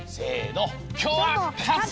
きょうはかつぞ！